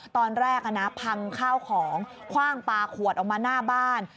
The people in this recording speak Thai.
ตอนแรกพังข้าวของคว่างปลาขวดออกมาหน้าบ้าน